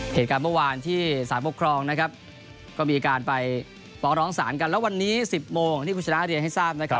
เหตุการณ์เมื่อวานที่สารปกครองนะครับก็มีการไปฟ้องร้องสารกันแล้ววันนี้๑๐โมงที่คุณชนะเรียนให้ทราบนะครับ